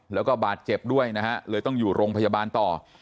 แล้วก็บาดเจ็บด้วยนะฮะเลยต้องอยู่โรงพยาบาลต่อ